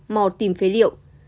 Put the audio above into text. mò tìm phế liệu